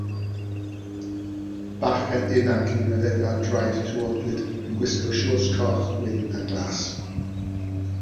Bachgen ifanc yn rhedeg ar draeth tywodlyd yn gwisgo siorts coch, gwyn, a glas.